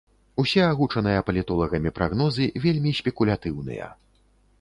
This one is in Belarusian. Усе агучаныя палітолагамі прагнозы вельмі спекулятыўныя.